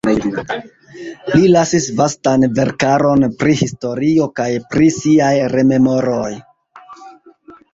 Li lasis vastan verkaron pri historio kaj pri siaj rememoroj.